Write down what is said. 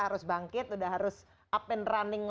harus bangkit udah harus up and running